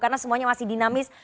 karena semuanya masih dinamis